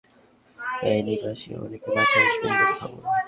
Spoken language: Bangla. ঢাকায় থাকা শিল্পপতি থেকে সাধারণ ফেনীবাসীর অনেকে মাঠে আসবেন বলে খবর।